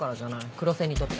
黒センにとって。